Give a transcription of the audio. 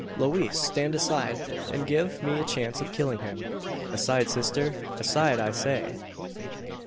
Louise! stand aside, and give me a chance of killing him! Aside, sister! Aside, I say!"